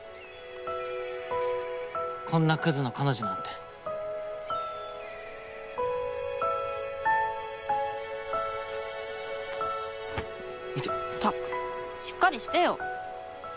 こんなクズの彼女なんてイテッったくしっかりしてよ！